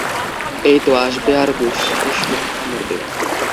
এইতো, আসবে আর গুষ্টিসুদ্ধা মরবে।